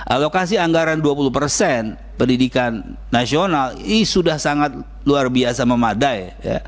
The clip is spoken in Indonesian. alokasi anggaran dua puluh persen pendidikan nasional ini sudah sangat luar biasa memadai